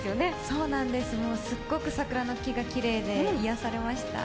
そうなんです、すごく桜の木がきれいで癒やされました。